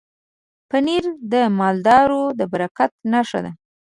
پنېر د مالدارو د برکت نښه ده.